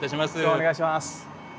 お願いします。